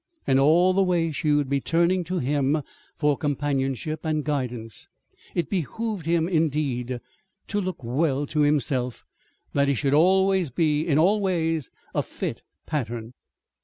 And all the way she would be turning to him for companionship and guidance. It behooved him, indeed, to look well to himself, that he should be in all ways a fit pattern.